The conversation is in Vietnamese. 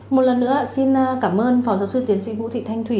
một lần nữa xin cảm ơn phó giáo sư tiến sĩ vũ thị thanh thủy